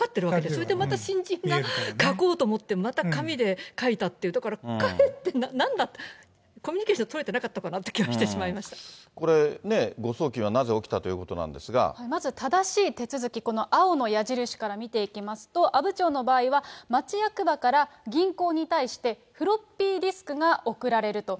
それで新人が書こうと思って、また紙で書いたって、だから、書くってなんだって、コミュニケーション取れてなかったかなといこれ、誤送金はなぜ起きたとまず正しい手続き、この青の矢印から見ていきますと、阿武町の場合は、町役場から銀行に対して、フロッピーディスクが送られると。